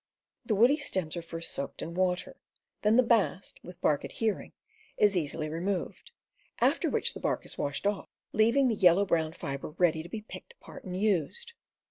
The woody stems are first soaked in water; then the bast, with bark adhering, is easily removed; after which the bark is washed off, leaving the yellowish brown fiber ready to be picked apart and used.